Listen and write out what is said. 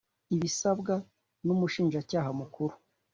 ibisabwe n Umushinjacyaha Mukuru